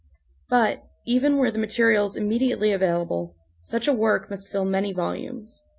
But. even were the material immediately available, such a work must fill many volumes.